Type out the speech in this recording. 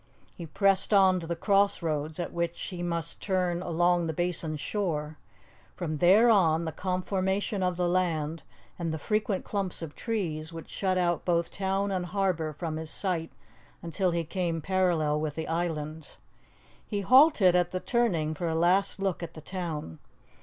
He pressed on to the cross roads at which he must turn along the Basin's shore. From there on, the conformation of the land, and the frequent clumps of trees, would shut out both town and harbour from his sight until he came parallel with the island. He halted at the turning for a last look at the town.